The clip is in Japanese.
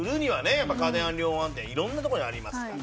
やっぱ家電量販店色んなところにありますから。